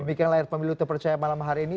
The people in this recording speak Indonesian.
demikian layar pemilu terpercaya malam hari ini